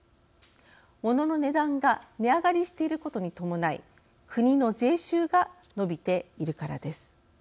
物の値段が値上がりしていることに伴い国の税収が伸びているからです。